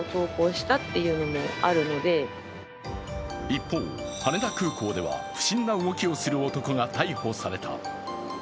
一方、羽田空港では不審な動きをする男が逮捕された。